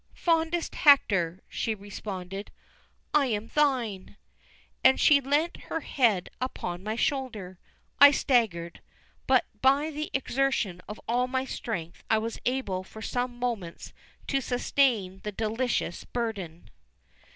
"Fondest Hector," she responded, "I am thine!" And she leant her head upon my shoulder. I staggered; but by the exertion of all my strength I was able for some moments to sustain that delicious burden.